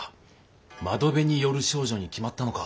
「窓辺に倚る少女」に決まったのか。